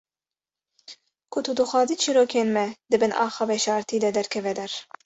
Ku tu dixwazî çîrokên me di bin axa veşartî de derkeve der.